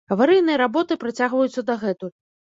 Аварыйныя работы працягваюцца дагэтуль.